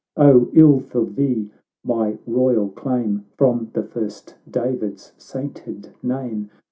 — O ill for thee, my royal claim From the First David's sainted name